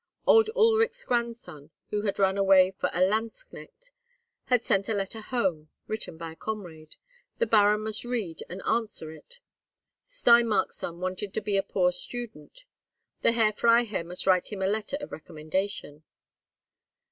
Old Ulrich's grandson, who had run away for a lanzknecht, had sent a letter home (written by a comrade), the Baron must read and answer it. Steinmark's son wanted to be a poor student: the Herr Freiherr must write him a letter of recommendation.